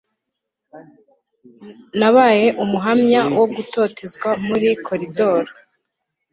nabaye umuhamya wo gutotezwa muri koridor